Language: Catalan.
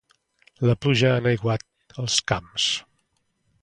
La pluja ha enaiguat els camps.